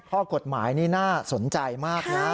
ข้อกฎหมายนี่น่าสนใจมากนะ